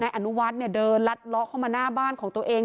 อนุวัฒน์เดินลัดเลาะเข้ามาหน้าบ้านของตัวเอง